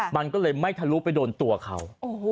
มันก็เลยไม่ทะลุไปโดนตัวเขา